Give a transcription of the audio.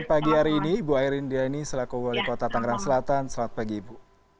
selamat pagi hari ini ibu aireen diani selaku wali kota tangerang selatan selamat pagi ibu